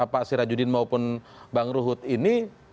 pak sirajudin maupun bang ruhut ini